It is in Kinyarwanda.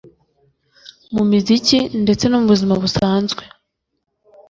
mu muziki ndetse no mu buzima busanzwe